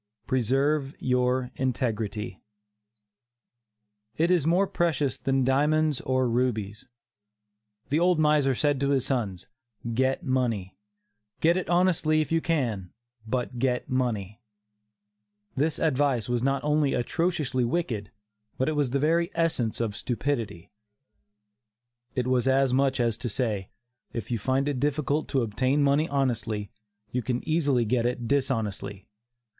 PRESERVE YOUR INTEGRITY. It is more precious than diamonds or rubies. The old miser said to his sons: "Get money; get it honestly, if you can, but get money." This advice was not only atrociously wicked, but it was the very essence of stupidity. It was as much as to say, "if you find it difficult to obtain money honestly, you can easily get it dishonestly.